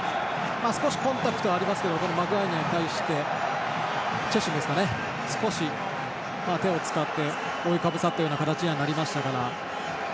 少しコンタクトがありますがマグワイアに対してチェシュミが少し手を使って覆いかぶさった形になりました。